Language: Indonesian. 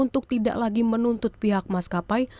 untuk tidak lagi menuntut pihak mas kapai